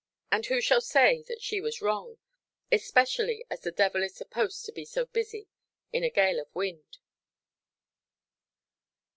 And who shall say that she was wrong, especially as the devil is supposed to be so busy in a gale of wind?